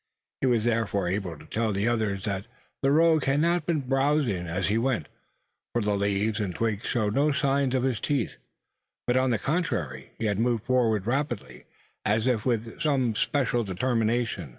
He was therefore able to tell the others that the rogue had not been browsing as he went for the leaves and twigs showed no signs of his teeth but on the contrary, he had moved forward rapidly, and as if with some special determination.